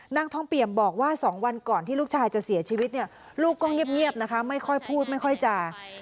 นางทองเปี่ยมบอกว่า๒วันก่อนที่ลูกชายจะเสียชีวิตเนี่ยลูกก็เงียบนะคะไม่ค่อยพูดไม่ค่อยจ่า